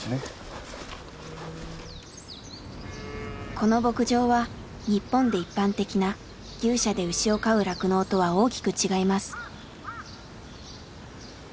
この牧場は日本で一般的な牛舎で牛を飼う酪農とは大きく違います。